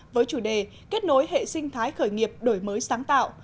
với chủ đề kết nối hệ sinh thái khởi nghiệp đổi mới sáng tạo